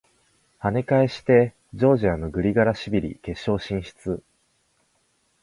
跳ね返してジョージアのグリガラシビリ決勝進出！